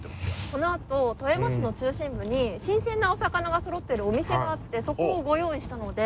このあと富山市の中心部に新鮮なお魚がそろっているお店があってそこをご用意したので。